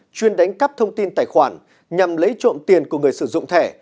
chuyên đánh cắp thông tin tài khoản nhằm lấy trộm tiền của người sử dụng thẻ